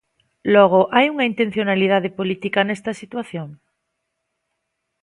Logo hai unha intencionalidade política nesta situación?